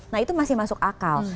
nah itu masih masuk akal